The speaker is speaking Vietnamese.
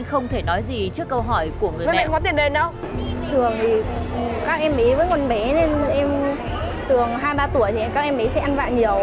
thường hai ba tuổi thì các em bé sẽ ăn vạ nhiều